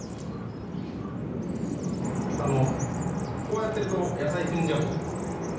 こうやってると野菜踏んじゃうじゃないですか。